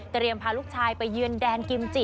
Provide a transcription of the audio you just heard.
เกรียมพาลูกชายไปเยือนแดนกิมจิ